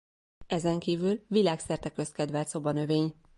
Ezenkívül világszerte közkedvelt szobanövény.